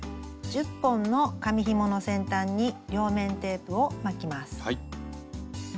１０本の紙ひもの先端に両面テープを巻きます。